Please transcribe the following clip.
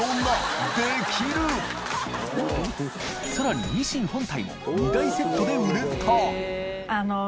磴気蕕ミシン本体も２台セットで売れた緑川）